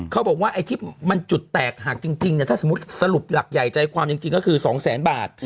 เขาบอกว่าไอ้ที่มันจุดแตกหักจริงเนี่ยถ้าสมมุติสรุปหลักใหญ่ใจความจริงก็คือ๒แสนบาท